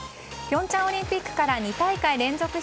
平昌オリンピックから２大会連続